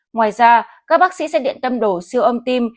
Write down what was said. ngoài ra các bác sĩ sẽ điện tâm đồ siêu âm tim